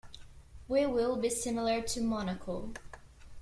We will be similar to Monaco.